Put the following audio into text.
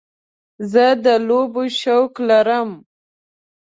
زه د لوبو شوق لرم.